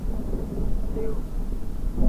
最初的一座圣殿是嘉德兰圣殿。